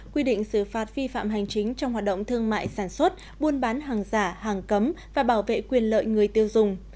quy định xử phạt vi phạm hành chính trong hoạt động thương mại sản xuất buôn bán hàng giả hàng cấm và bảo vệ quyền lợi người tiêu dùng